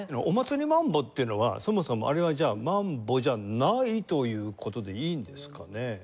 『お祭りマンボ』っていうのはそもそもあれはじゃあマンボじゃないという事でいいんですかね？